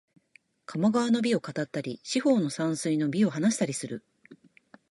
鴨川の美を語ったり、四方の山水の美を話したりする